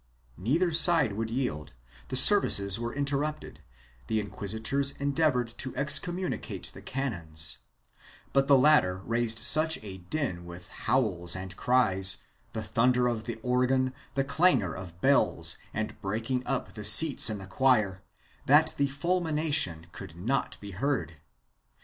Neither side would yield; the services were interrupted; the inquisitors endeavored to excommunicate the canons, but the latter raised such a din with howls and cries, the thunder of the organ, the clangor of bells and breaking up the seats in the choir, that the fulmination could not be heard.